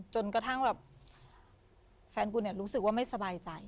จนกระทั่งแบบแฟนกูเนี่ยรู้สึกว่าไม่สบายใจ